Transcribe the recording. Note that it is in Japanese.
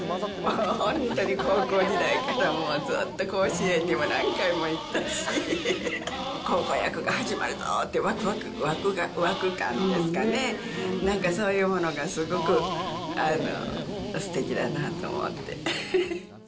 本当に高校時代から、ずっと甲子園にも何回も行ったし、高校野球が始まるぞって、わくわく感ですかね、なんかそういうものがすごくすてきだなと思って。